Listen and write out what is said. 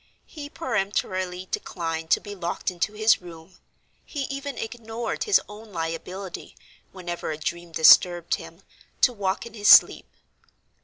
He peremptorily declined to be locked into his room; he even ignored his own liability, whenever a dream disturbed him, to walk in his sleep.